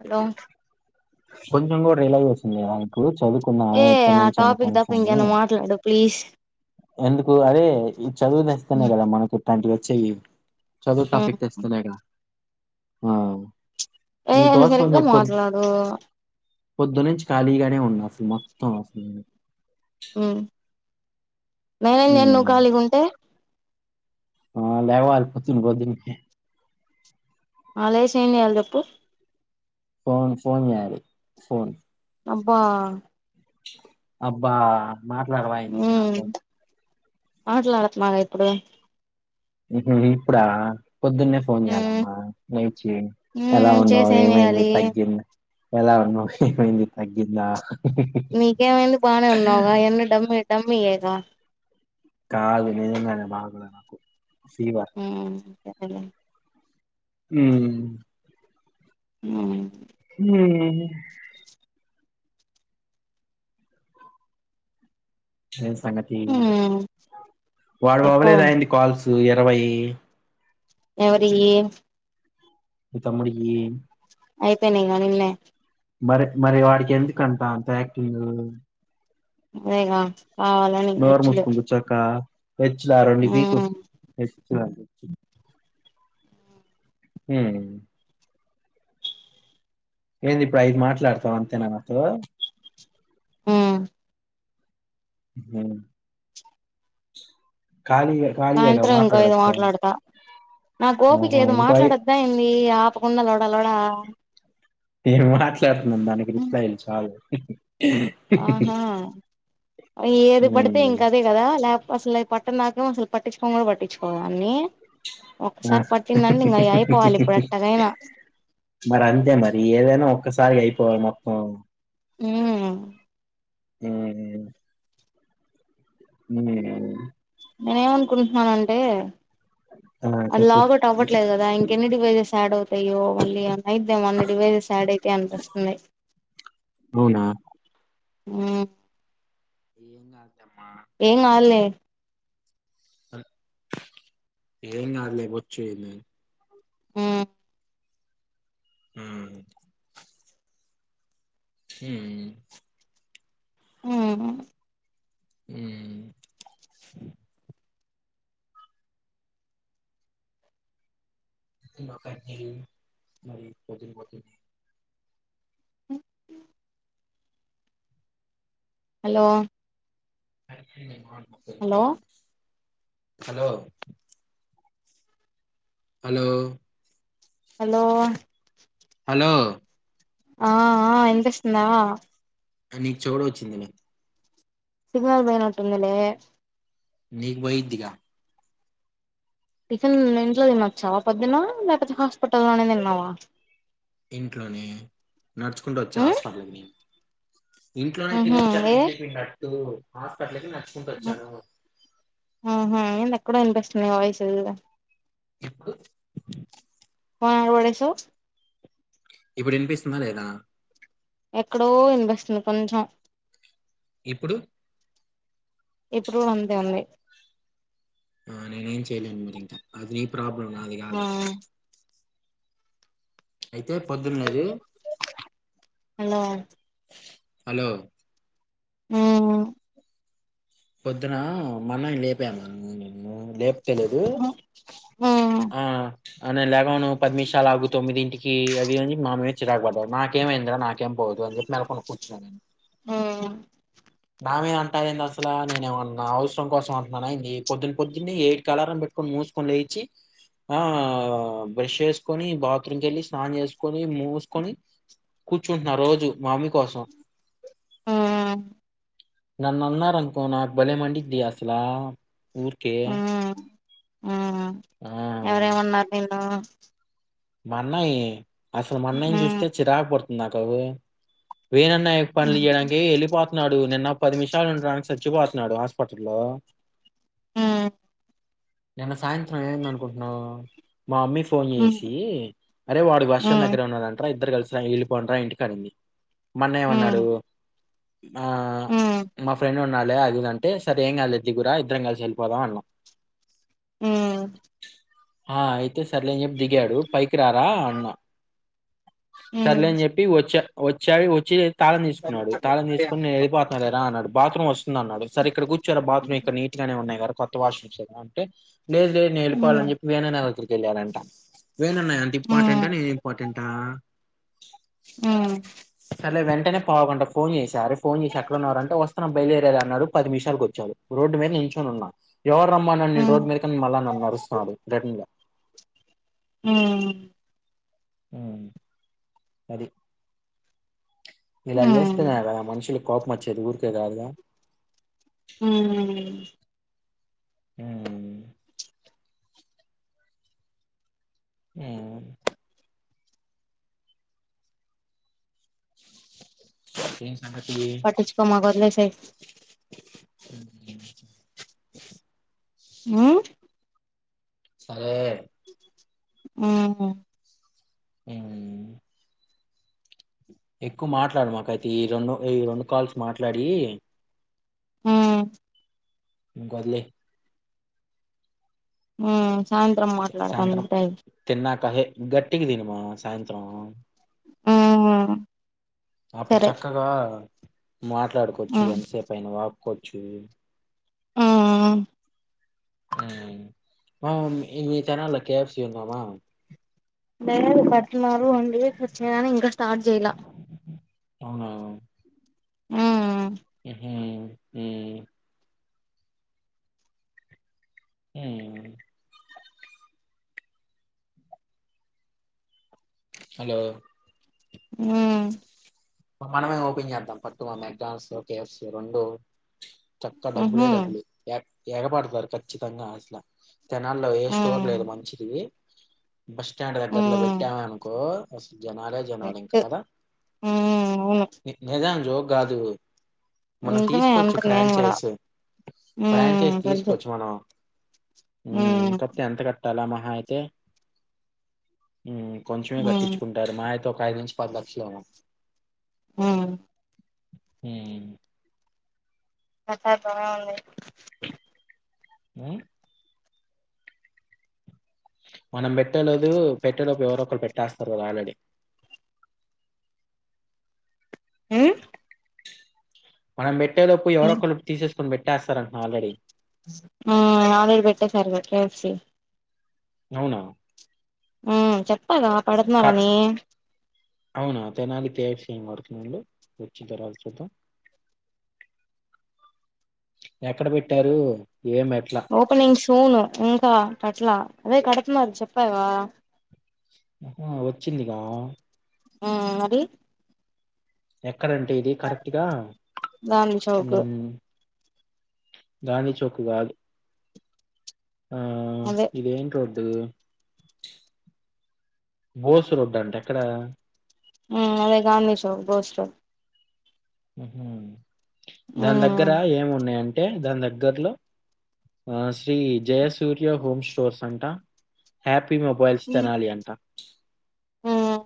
Hello కొంచెం కూడ realization లేదా మీకు చదువుకుందాం ఏ ఇప్పటి ఆ నుంచి అయినా టాపిక్ తప్ప కన్ఫర్ము ఇంకేమన్నా మాట్లాడు ప్లీజ్ ఎందుకు అదే ఈ చదువు తేస్తేనే కదా మనకు ఇట్టాంటివి వచ్చేవి. చదువు కంప్లీట్ చేస్తేనేగా ఆ ఏమైంది నీకోసం అని సరిగ్గా చెప్పి పొద్ మాట్లాడు పొద్దునుంచి ఖాళీగానే ఉన్నా అసలు మొత్తం అసలు నేను మ్. నేనేం చేయను నువ్వు హ్మ్ కాలిగా ఉంటే ఆ లేవాల పొద్దున్ పొద్దున్కి ఆ లేసి ఏం చేయాలి చెప్పు ఫోన్ ఫోన్ చేయాలి. ఫోన్ అబ్బా అబ్బా మాట్లాడవా ఏంది ఇంక హమ్. నాతో ఆటలాడుతున్నావా ఇప్పుడు మ్ హు ఇప్పుడ పొద్దున్నే ఫోన్ చెయ్యాలమ్మా లేచి ఎలా ఉన్నావు చేసి ఏం ఏమైంది చేయాలి తగ్గింద ఎలా ఉన్నావ్ ఏమైంది తగ్గింద నీకేమైంది బానే ఉన్నావుగా ఇవన్నీ డమ్మి డమ్మీయేగా కాదు నిజంగానే బాగోలే నాకు ఫీవర్ మ్ ఉంటదిలే హ్మ్ ఆ ఇంగేమైంది. ఏం సంగతి. వాడివి చెప్పు అవ్వలేదా ఏంది కాల్స్ ఈ ఇరవై ఎవరివి నీ తమ్ముడికి అయిపోయినాయ్ వానివి నిన్నే మరి మరి వాడికి ఎందుకంట అంత యాక్టింగ్ అదేగా కావాలని ఎచ్చలు ఎచ్చులా రెండు పీకు ఎచ్చులంట ఎచ్చు హ్మ్ ఏంది ఇప్పుడు ఐదు మాట్లాడతావ అంతేనా నాతో మ్ ఇంగేమి ఖాళీగా ఖాళీయేగా మాట్లాడచ్చుగా నా కోపిక లేదు మాట్లాడొద్దా ఏంది ఆపకుండా లోడ లోడా నేను మాట్లాడుతున్నా దానికి రిప్లై ఇవ్వు చాలు ఆహా నువ్వు ఏది పడితే ఉమ్. ఇంక అదే కదా లేకపో అసలు పట్టద్ నాకసలు పట్టిచ్చు [unintelligible] పట్టించుకోవదాన్ని ఆ, ఒకసారి పట్టిందండి ఇంకా అయి అయిపోవాలి ఇప్పుడేట్టాగైనా మరి అంతే మరి ఏదైనా ఒక్కసారి అయిపోవాలి మొత్తం ఉమ్ ఇంగేమి [unintelligible] నేనేమనుకుంటున్నానంటే ఆ అది చెప్పు లాగ్ఔట్ అవ్వట్లేదు కదా ఇంకెన్ని డివైసెస్ యాడ్ అవుతాయో మళ్ళీ అయిద్దాం అన్ని డివైసెస్ యాడ్ అయితే అనిపిస్తున్నాయ్. అవునా. ఆ ఏం గా తెమ్మా ఏం గాల్లే ఏం గాదులే బొచ్చు అయిన ఉమ్ ఆ ఉమ్ ఆ మ్మ్ దీమకద్ది మరి కొదిగి బోతి అ hello hello hello hello hello hello ఆ ఆ ఇనిపిస్తుందా నీకు చెవుడొచ్చింది సిగ్నల్ పొయనట్టుందిలే నీకు బొయ్యిద్దిగా టిఫిన్ ఇంట్లో తినచ్చా పొద్దున్న లేకపోతే హాస్పిటల్లోనే తిన్నావా ఇంట్లోనే నడుచుకుంటా వచ్చే ఉమ్ ఆస్పటల్ ఇంట్లోనే ఉహు తినొచ్చాను ఏ ఇడ్లీ పిండట్టు హాస్పిటల్కి నచ్చుకుంట వచ్చాను ఆహా ఏందెక్కడో వినిపిస్తున్ నీ వాయిసు ఇప్పుడు ఆ ఓలేషు ఇప్పుడు ఇనిపిస్తున్నా లేదా ఎక్కడో ఇనిపిస్తుంది కొంచం ఇప్పుడు ఇప్పుడు అంతే ఉంది ఆ నేను ఏం చేయలేను మరింక అది నీ ప్రాబ్లం నాది ఆ గాదు అయితే పొద్దున్నరి అలో హలో ఆ పొద్దున మన్నని లేపాను నిన్ను లేప్ తెలీదు ఉమ్ ఉమ్ ఆ ఆనేలే పది నిమిషాలుగు తొమ్మిదింటికి అది అని మామీద చిరాకు బడ్డాడు నాకేమైందిరా టెంపో నేను చెప్పిన అనుకోని కూర్చున్నా నావే అంటా వేందస అలా నేనమ్మ నా అవసరం కోసం అంటన్నానా ఇ పొద్దున్న పొద్దున్నే ఎయిట్ కలారం పెట్టుకొని మూసుకొని లేచి ఆ ఆ బ్రష్ చేసుకొని బాత్రూమ్ కెళ్ళి స్నానం చేసుకొని మూసుకొని కూర్చుంటున్న రోజు మామ్మి కోసం ఉమ్ నన్నారనుకో నాకు భలే మండిద్ది అసలా ఊర్కే ఆహా ఎవరేమన్నా మాన్నయే అసలు మన్నేం ఉమ్ జేస్తే చిరాక్ బడుంతుటావే వేనన్నా పనులు చేయడానికి వెళ్ళిపోతున్నాడు నిన్న పది నిమిషాలు ఉండడానికి చచ్చిపోతున్నాడు హాస్పిటల్ల్లో మ్మ్ నిన్న సాయంత్రం ఏమైందనుకుంటున్నావు మా అమ్మి ఫోన్ ఉమ్ చేష్ అరే వాడు ఉమ్ వర్షం ఉమ్ దగ్గిరే ఉన్నాడంటరా ఇద్దరు కలిసి వెళ్ళిపోండ్రా ఇంటికి అనింది మన్న ఉమ్ ఏమన్నాడు ఆ ఉమ్ మా ఫ్రెండ్ ఉన్నాడు లే అదిదంటే సరే ఏం కాదు లే దిగురా ఇద్దరం కలిసి వెళ్ళిపోదాం అన్నాం అ ఆ అయితే సర్లేని చెప్పి దిగాడు పైకి రారా అన్న సర్లేని చెప్పి వచ్చా వచ్చావి వచ్చి తాళం తీసుకున్నడు తాళం తీసుకుని నే వెళ్ళిపోతాలేరా అన్నాడు బత్రూమ్ వస్తుంది అన్నాడు సరే ఇక్కడ కూర్చొరా బాత్రూమ్ ఇక్కడన నే ఉన్నాయి కదా కొత్త వాష్రూమ్స్ ఏమో అంటే లేదు లేదు నేను వెళ్లిపోవాలా ఉమ్ అని చెప్పి వేనాన్నదగ్గరికి వెళ్లారంట వేనన్న అంత ఉమ్ ఇంపార్టెంటా నేను ఇంపార్టెంటా అ సర్లే వెంటనే పావుగంట ఫోన్ చేసారు ఫోన్ చేసి అక్కడ ఉన్నారంటే వస్తన బయలుదేరేదే అన్నాడు పది నిమిషాలకు వచ్చారు రోడ్డు మీద నించొని ఉన్నా ఎవరు రమ్మన్నాడు నిన్ను ఉమ్ రోడ్ మీదకి మల్ల నన్ను అరుస్తాడు రిటర్న్ గా ఉ ఉ అది ఇలా ఉమ్ చేస్తేనే కదా మనుషులకి కోపం వచ్చేది ఊరికే కాదు ఉ ఉమ్ ఉ [unintelligible] పట్టించుకోమాకు వదిలేసేయ్ ఉమ్, ఆ సరే ఉమ్ అ ఎక్కువ మాట్లాడమాకయితే ఈ రెండు ఈ రెండు కాల్స్ మాట్లాడి హు ఇంకా వదిలేయ్ ఆ సాయంత్రం మాట్లాడతాము ఉంటాయి అదే గట్టిగా తినమ సాయంత్రం ఉమ్ అప్పుడు సరే చక్కగా మాట్లాడుకోవచ్చు ఉమ్ ఎంతసేపైనా వాక్కోచ్చు ఆ ఆ ఆ ఇ మీ తెనాలి లో కేెఎఫ్సి ఉందామా లేదు కట్టినారు అండ ప్రచ్చమని ఇంకా స్టార్ట్ చేయలా అవునా ఆ ఆ ఉహు హు ఉమ్ హలో హు మనమే ఓపెన్ చేద్దాం పట్టు మగ్దనాల్స్ కేఎఫ్ రెండు చక్కగా డబ్బులే ఉహూ డబ్బులు ఏగపడతారు ఖచ్చితంగా అసల తెనాల్లో ఏ స్టోర్ ఉమ్ లేదు మంచిది. బస్ స్టాండ్ దగ్గరలో ఉమ్ పెట్టాం అనుకో అసల్ జనాలే జనాలు ఇంక కరెక్ట్ కదా ఉమ్ అవును నిజాం జోక్ కాదు మనం నిజమే తీసుకోవచ్చు అంట నేను కూడా ఫ్రాంచైజ్ ఉమ్ ఫ్రాంచైజ్ తెలుసు తీసుకోవచ్చు మనం ఉమ్ కడితే ఎంత కట్టాల మహా అయితే కొంచెమే ఉమ్ కట్టించుకుంటారు మహా అయితే ఒక ఐదు నుంచి పది లక్షలు ఏమో ఉ ఉ మెక్ డోర్నల్ ఉంది ఉం మనం పెట్టలేదు పెట్టేలోపు ఎవరో ఒకరు పెట్టేస్తారు కదా ఆల్రెడీ [unintelligible] మ్మ్ మనం పెట్టేలోపు ఎవరో ఒకరు తీసేసుకొని పెట్టేస్తారంట ఆల్రెడీ ఆ ఆల్రెడీ పెట్టేసారు కదా కే ఎఫ్ సి అవునా ఆ చెప్పాగా కట్ పెడుతున్నారని అవునా తెనాలి కే ఎఫ్ సి అని పడుతుంది వచ్చిన తర్వాత చూద్దాం ఎక్కడ పెట్టారు ఏం ఎట్లా ఓపెనింగ్ షో రూమ్ ఇగా అట్లా అదే కడుతున్నారు అని చెప్పవా ఆ వచ్చిందిగా ఆ అది ఎక్కడంటే ఇది కరెక్ట్ గా గాంధీ చౌక్ గాంధీచౌకు కాదు ఆ అదే ఇది ఎం రోడ్డు బోసు రోడ్డు అంటే ఎక్కడ అదే గాంధీ షో బోస్ షో దాని దగ్గర మ్మ్ ఏమున్నాయంటే దాని దగ్గర్లో శ్రీ జయసూర్య హోమ్ స్టోర్స్ అంటా హ్యాప్ మొబైల్స్ తెనాలి అంట మ్మ్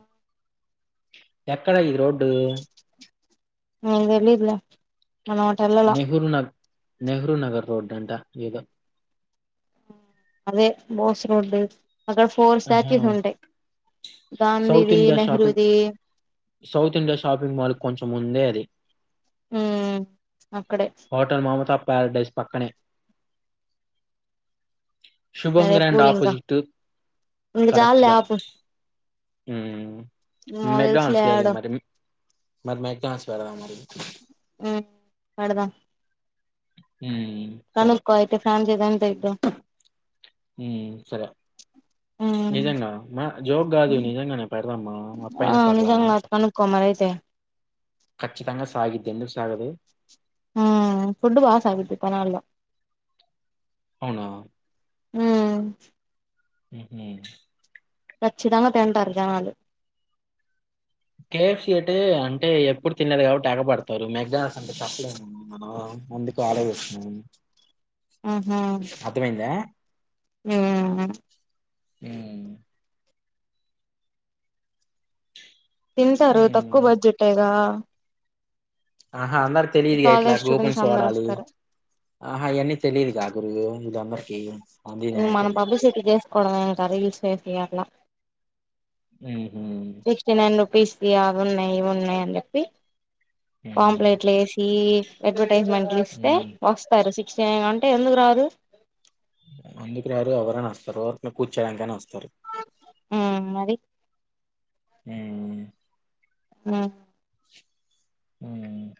ఎక్కడ ఈ రోడ్డు నాకు తెలియదు నేనటు వెళ్ళలా నెహ్రూ నగ నెహ్రూ నగర్ రోడ్ అంట ఏదో అదే బోస్ రోడ్ అక్కడ ఫోర్ ఆహా స్టాచ్యూస్ ఉంటాయ్ సౌత్ గాంధీది ఇండియా షాపింగ్ నెహ్రూది సౌత్ ఇండియా షాపింగ్ మాల్ కొంచెం ముందే అది మ్మ్ అక్కడే హొటల్ మమత ప్యారాడైస్ పక్కనే శుభం సరే గ్రాంట్ కూల్ ఆపోజిట్ ఇంకా చాల్లే ఆపు మ్మ్ నాకు తెలిసిలే మెగడాన్స్ లేవి యాడో మరి మరి మెగస్టార్ అ పడదాం హ్మ్. సరే. కనుక్కో అయితే ఫ్యాన్ చేత్తే ఎంత ఐద్దో మ్మ్ సరే ఉమ్ నిజంగా మా జోక్ కాదు నిజంగానే పెడదామామ్మ అప్పాయిన పర్లే తే ఖచ్చితంగా సాగుతుంది ఎందుకు సాగదు తెనాలి లో అవునా ఆ మ్మ్ హ్హ్ కచ్చితంగా తింటారు జనాలు కేఎఫ్సి అంటే ఎప్పుడు తినేదే కాబట్టి ఎగబడతారు మెగాస్ అంటే చెప్పలేనండి మనం అందుకు ఆలోచిస్తున్నాం అర్ధమైందా మ్మ్ హ్హ్ మ్మ్ తిను సారు హ్మ్. తక్కువ బడ్జెట్ ఏగా ఆహా అందరికి తెలియదుగా ఇట్లా కాలేజ్ స్టూడెంట్స్ కుపెన్స్ అందరు వాడాలి వస్తారు ఆహా అయన్నీ తెలిదుగా గురు మీద అందరికీ ఇంగ్ మనం పబ్లిసిటీ చేసుకోవడంమేంకా. రీల్స్ చేసి అట్లా నేమ్ సిక్స్టీ నైన్ రూపీస్ అవి ఉన్నాయి. ఇవ్ ఉన్నాయి అని చెప్పి. ఉమ్ పాంప్ట్లు ఏసి, అడ్వర్టైజ్మెంట్లు ఇస్తే, ఉమ్ వస్తార్ చి అంటే ఎందుకు రారూ. ఎందుకు రారు, ఎవరైనా వస్తారు. మేం కూర్చోడానికయినా వస్తారు. ఉమ్ మరి అహ్ ఆహ్ ఉహ్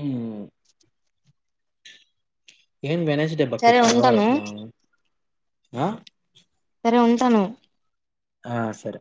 ఉహ్ ఏం వెనస్డే పబ్ పేట్ సరే ఉంటాను కనబడట్లా ఆ సరే ఉంటాను. ఆ సరే